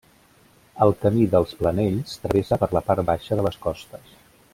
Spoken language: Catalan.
El Camí dels Planells travessa per la part baixa de les Costes.